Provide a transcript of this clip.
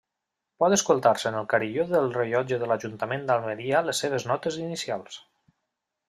Pot escoltar-se en el carilló del rellotge de l'Ajuntament d'Almeria les seves notes inicials.